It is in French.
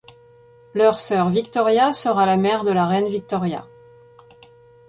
Leur sœur Victoria sera la mère de la reine Victoria.